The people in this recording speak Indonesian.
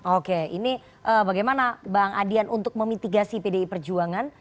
oke ini bagaimana bang adian untuk memitigasi pdi perjuangan